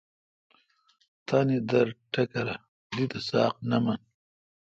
تانی در ٹکرہ ۔دی تہ ساق نہ من